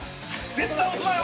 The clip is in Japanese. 絶対押すなよ！